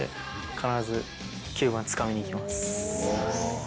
必ず９番つかみにいきます。